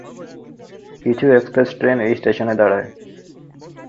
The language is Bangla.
কিছু এক্সপ্রেস ট্রেন এই স্টেশনে দাঁড়ায়।